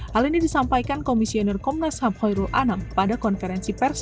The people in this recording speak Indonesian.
hal ini disampaikan komisioner komnas ham hoyrul anam pada konferensi pers